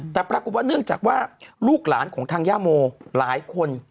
แต่ปรากฏว่าเนื่องจากว่าลูกหลานของทางย่าโมหลายคน